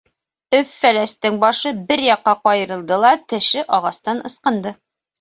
Өф-Фәләстең башы бер яҡҡа ҡыйырылды ла теше ағастан ысҡынды.